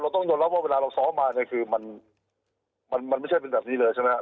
ต้องยอมรับว่าเวลาเราซ้อมมาเนี่ยคือมันมันไม่ใช่เป็นแบบนี้เลยใช่ไหมครับ